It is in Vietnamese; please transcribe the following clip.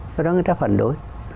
do đó người ta phản đối